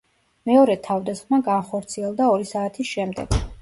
მეორე თავდასხმა განხორციელდა ორი საათის შემდეგ.